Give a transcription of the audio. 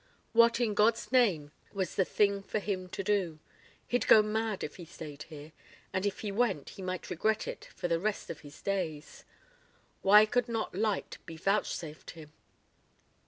... What in God's name was the thing for him to do? He'd go mad if he stayed here, and if he went he might regret it for the rest of his days. Why could not light be vouchsafed him?